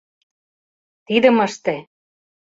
«Тидым ыште!